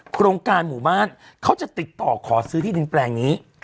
โครงการหมู่บ้านเขาจะติดต่อขอซื้อที่ดินแปลงนี้